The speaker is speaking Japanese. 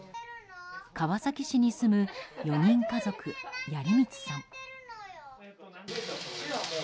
川崎市に住む４人家族鎗光さん。